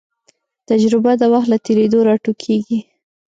تجربه د وخت له تېرېدو راټوکېږي.